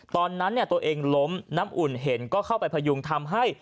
ตอนนั้นตัวเองล้มน้ำอุ่นเห็นก็เข้าไปพยุงทำให้